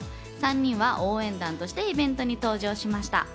３人は応援団としてイベントに登場しました。